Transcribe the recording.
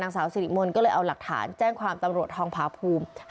สาวสิริมนต์ก็เลยเอาหลักฐานแจ้งความตำรวจทองพาภูมิ